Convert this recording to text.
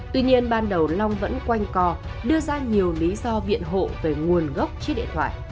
tuy nhiên ban đầu long vẫn quanh co đưa ra nhiều lý do viện hộ về nguồn gốc chiếc điện thoại